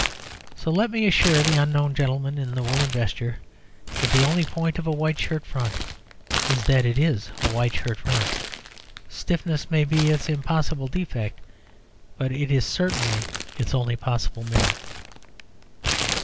So let me assure the unknown gentleman in the woollen vesture that the only point of a white shirt front is that it is a white shirt front. Stiffness may be its impossible defect; but it is certainly its only possible merit.